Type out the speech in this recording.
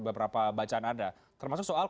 beberapa bacaan anda termasuk soal